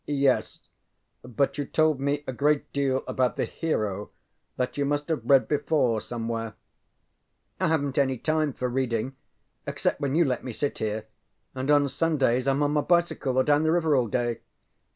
ŌĆ£Yes, but you told me a great deal about the hero that you must have read before somewhere. ŌĆØ ŌĆ£I havenŌĆÖt any time for reading, except when you let me sit here, and on Sundays IŌĆÖm on my bicycle or down the river all day.